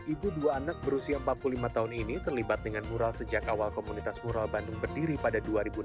ibu dua anak berusia empat puluh lima tahun ini terlibat dengan mural sejak awal komunitas mural bandung berdiri pada dua ribu enam belas